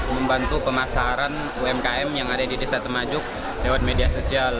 membantu pemasaran umkm yang ada di desa temajuk lewat media sosial